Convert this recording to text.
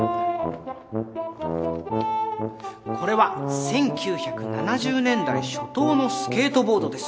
これは１９７０年代初頭のスケートボードです。